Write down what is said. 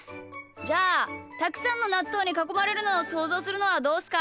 じゃあたくさんのなっとうにかこまれるのをそうぞうするのはどうっすか？